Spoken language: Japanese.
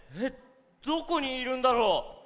どこにいるんだろう。